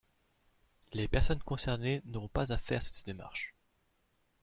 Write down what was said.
Les personnes concernées n’auront pas à faire cette démarche.